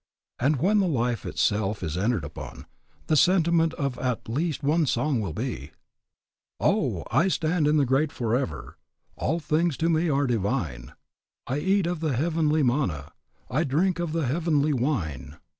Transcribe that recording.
And when the life itself is entered upon, the sentiment of at least one song will be: "Oh! I stand in the Great Forever, All things to me are divine; I eat of the heavenly manna, I drink of the heavenly wine.